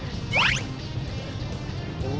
ชอบ